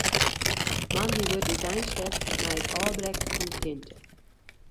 Moandei wurdt úteinset mei it ôfbrekken fan de tinte.